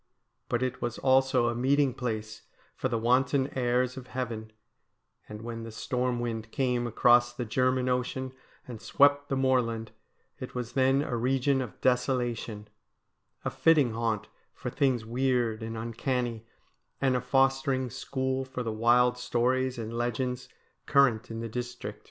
But it was also a meeting place for the wanton airs of heaven ; and when the storm wind came across the German Ocean and swept the moorland, it was then a region of desolation, a fitting haunt for things weird and uncanny, and a fostering school for the wild stories and legends current in the district.